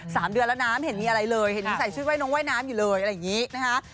สามเดือนแล้วนะเห็นมีอะไรเลยเห็นใส่ชุดว่ายน้องว่ายน้ำอยู่เลยอะไรอย่างงี้นะคะ